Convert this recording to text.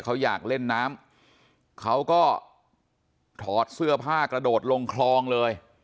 เขาอยากเล่นน้ำเขาก็ถอดเสื้อผ้ากระโดดลงคลองเลย